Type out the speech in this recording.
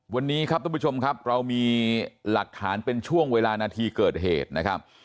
วันนี้ครับทุกผู้ชมครับเรามีหลักฐานเป็นช่วงเวลานาทีเกิดเหตุนะครับ